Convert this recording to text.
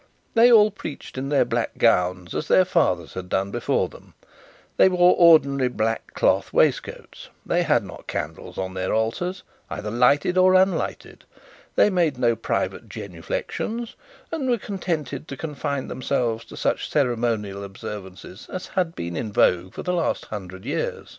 They all preached in their black gowns, as their fathers had done before them; they wore ordinary black cloth waistcoats; they had not candles on their altars, either lighted or unlighted; they made no private genuflexions, and were contented to confine themselves to such ceremonial observances as had been in vogue for the last hundred years.